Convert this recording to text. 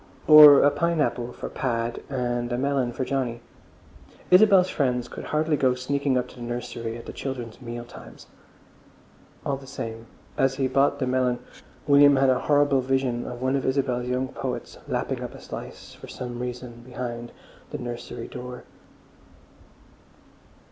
Or a pineapple, for Pad, and a melon for Johnny? Isabel's friends could hardly go sneaking up to the nursery at the children's meal times. All the same, as he bought the melon William had a horrible vision of one of Isabel's young poets lapping up a slice, for some reason, behind the nursery door.